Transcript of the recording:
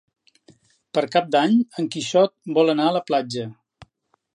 Per Cap d'Any en Quixot vol anar a la platja.